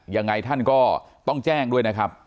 ยังไงท่านก็ต้องแจ้งด้วยนะครับ